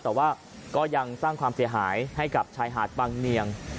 แต่ว่าก็ยังสร้างความเสียหายให้กับชายหาดบางเนียง